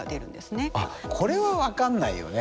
あっこれは分かんないよね。